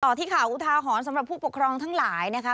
ที่ข่าวอุทาหรณ์สำหรับผู้ปกครองทั้งหลายนะคะ